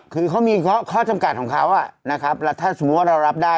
คือเขามีข้อจำกัดของเขานะครับแล้วถ้าสมมุติว่าเรารับได้